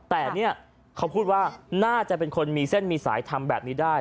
แต่เนี่ยเขาพูดว่าน่าจะเป็นคนมีเส้นมีสายทำแบบนี้ได้